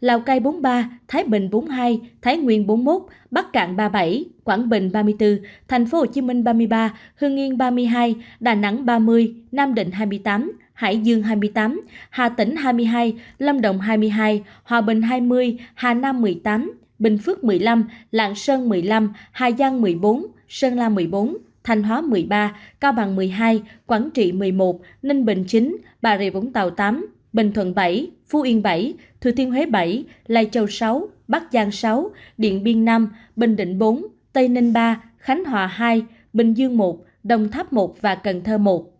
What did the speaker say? lạng sơn một mươi năm hà giang một mươi bốn sơn la một mươi bốn thành hóa một mươi ba cao bằng một mươi hai quảng trị một mươi một ninh bình chín bà rịa vũng tàu tám bình thuận bảy phu yên bảy thừa thiên huế bảy lai châu sáu bắc giang sáu điện biên năm bình định bốn tây ninh ba khánh hòa hai bình dương một đồng tháp một và cần thơ một